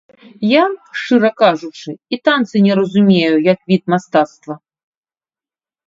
Я, шчыра кажучы, і танцы не разумею, як від мастацтва.